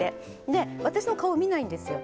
で私の顔見ないんですよ